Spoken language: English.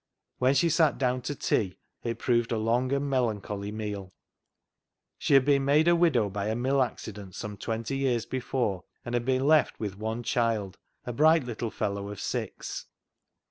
When she sat down to tea, it proved a long and melancholy meal. She had been made a widow by a mill accident some twenty years before, and had been left with one child, a bright little fellow of six.